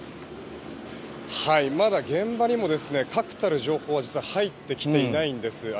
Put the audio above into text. まだ現場にも確たる情報は実は入ってきていないんです。